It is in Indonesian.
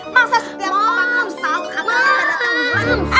masa setiap orang nge salt kata kita gak tau